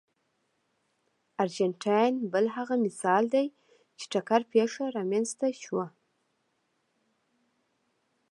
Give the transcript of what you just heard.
ارجنټاین بل هغه مثال دی چې ټکر پېښه رامنځته شوه.